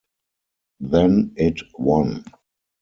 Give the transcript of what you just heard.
Then it won'.